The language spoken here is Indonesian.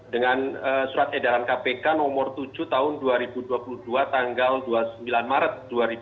dengan surat edaran kpk nomor tujuh tahun dua ribu dua puluh dua tanggal dua puluh sembilan maret dua ribu dua puluh